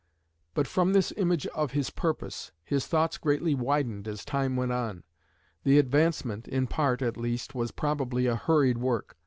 But from this image of his purpose, his thoughts greatly widened as time went on. The Advancement, in part at least, was probably a hurried work.